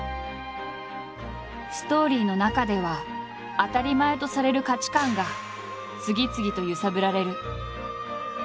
ストーリーの中では当たり前とされる価値観が次々と揺さぶられる。